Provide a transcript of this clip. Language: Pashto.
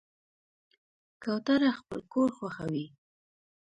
کوتره خپل کور خوښوي.